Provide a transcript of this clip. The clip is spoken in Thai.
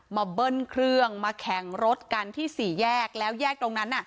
เบิ้ลเครื่องมาแข่งรถกันที่สี่แยกแล้วแยกตรงนั้นน่ะ